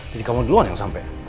kamu duluan yang sampai